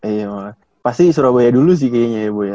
iya pasti surabaya dulu sih kayaknya ya bu ya